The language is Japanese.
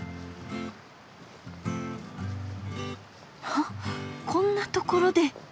ははっこんなところで！